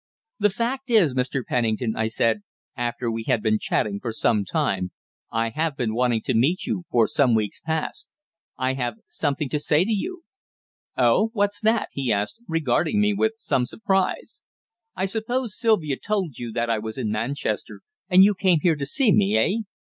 "The fact is, Mr. Pennington," I said, after we had been chatting for some time, "I have been wanting to meet you for some weeks past. I have something to say to you." "Oh! What's that?" he asked, regarding me with some surprise. "I suppose Sylvia told you that I was in Manchester, and you came here to see me eh?